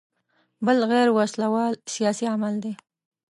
بل غیر وسله وال سیاسي عمل دی.